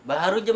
baru jam tiga